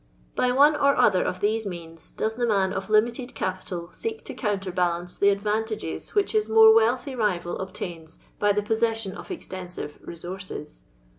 By one or other of these means does the nmn of limited capital seek to counterbalance the advantages wliich his more wealthy rival obtains by the possession of exten sive " resources."